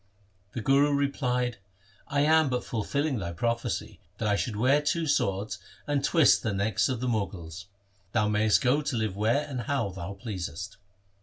The Guru replied, ' I am but fulfilling thy prophecy that I should wear two swords, and twist the necks of the Mughals. Thou mayest go to live where and how thou pleasest.'